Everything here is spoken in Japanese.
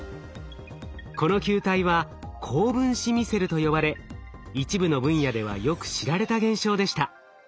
この球体は高分子ミセルと呼ばれ一部の分野ではよく知られた現象でした。